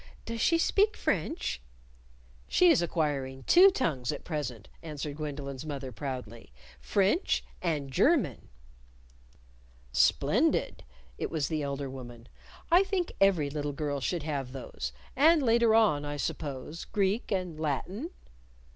"Does she speak French?" "She is acquiring two tongues at present," answered Gwendolyn's mother proudly, " French and German." "Splendid!" It was the elder woman. "I think every little girl should have those. And later on, I suppose, Greek and Latin?"